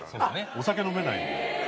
お酒飲めないんで。